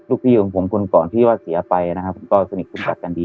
พี่ของผมคนก่อนที่ว่าเสียไปนะครับผมก็สนิทคุณจักรกันดี